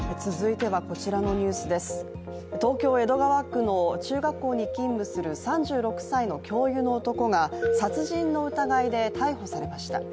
続いては、東京・江戸川区の中学校に勤務する３６歳の教諭の男が殺人の疑いで逮捕されました。